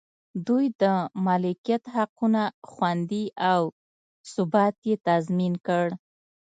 دوی د مالکیت حقونه خوندي او ثبات یې تضمین کړ.